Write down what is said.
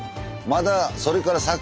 まだそれから先。